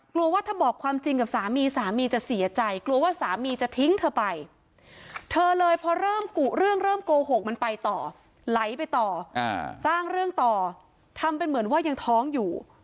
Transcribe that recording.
ว่าถ้าบอกความจริงกับสามีสามีจะเสียใจกลัวว่าสามีจะทิ้งเธอไปเธอเลยพอเริ่มกุเรื่องเริ่มโกหกมันไปต่อไหลไปต่อสร้างเรื่องต่อทำเป็นเหมือนว่ายังท้องอยู่